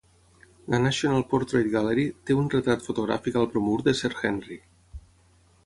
La National Portrait Gallery té un retrat fotogràfic al bromur de Sir Henry.